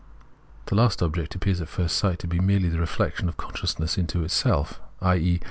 The last object appears at first sight to be merely the reflection of consciousness into itself, i.e.